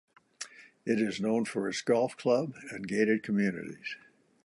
It is known for its golf club and gated communities.